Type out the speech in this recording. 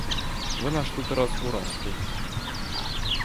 Вона ж тут раз у раз стоїть.